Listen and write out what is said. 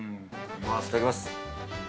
いただきます。